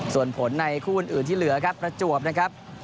ส่วนผลในคู่อื่นที่เหลือครับประจวบนะครับ